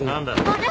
あれ？